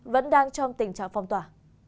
vẫn đang trong tình trạng phong tỏa